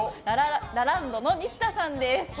ラランドのニシダさんです。